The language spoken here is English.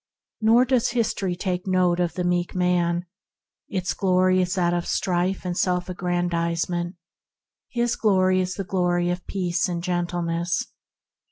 Nor does history take note of the meek man. Its glory is that of strife and self aggrandisement; his is the glory of peace and gentleness.